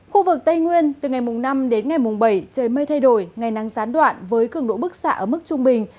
khu vực tây nguyên từ ngày năm đến ngày mùng bảy trời mây thay đổi ngày nắng gián đoạn với cường độ bức xạ ở mức trung bình